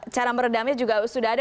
cara meredamnya juga sudah ada